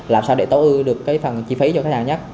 làm sao để tối ưu được cái phần chi phí cho khách hàng nhất